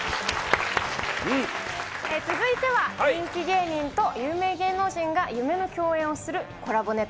続いては、人気芸人と有名芸能人が夢の共演をするコラボネタ。